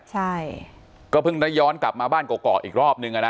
ใช่ก็เพิ่งได้ย้อนกลับมาบ้านเกาะอีกรอบนึงอะนะ